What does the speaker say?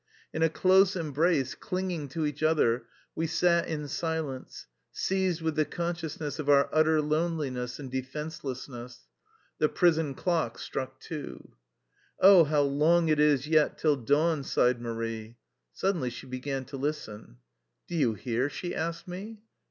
In a close embrace, clinging to each other, we sat in silence, seized with the consciousness of our utter loneliness and defenselessness. The prison clock struck two. " Oh, how long it is yet till dawn !" sighed Marie. Suddenly she began to listen. " Do you hear? " she asked me.